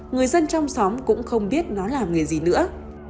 người dân trong xóm cũng không biết nó là người gì nữa